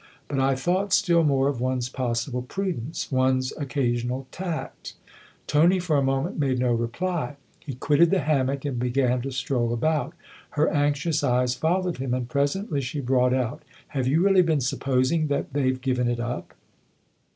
" But I've thought still more of one's possible prudence one's occa sional tact." Tony, for a moment, made no reply ; he quitted the hammock and began to stroll about. Her anxious eyes followed him, and presently she brought out: " Have you really been supposing that they've given it up